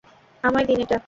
আমায় দিন এটা।